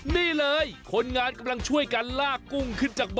นี่เลยคนงานกำลังช่วยกันลากกุ้งขึ้นจากบ่อ